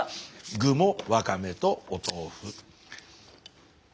具もわかめとお豆腐。